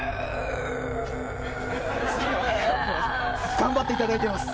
頑張っていただいています。